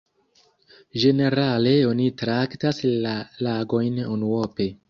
Ĝenerale oni traktas la lagojn unuope.